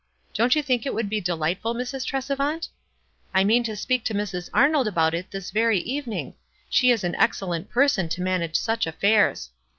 Don't you think it would be delightful, Mrs. Tresevant? I mean to speak to Mrs. Arnold about it this very evening; she is an excellent person to manage such affairs.